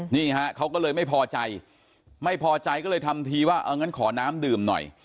นี่ฮะเขาก็เลยไม่พอใจไม่พอใจก็เลยทำทีว่าเอองั้นขอน้ำดื่มหน่อย